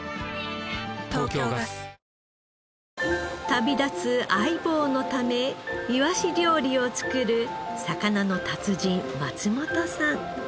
旅立つ相棒のためいわし料理を作る魚の達人松本さん。